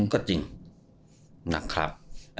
ก็จริงนะครับ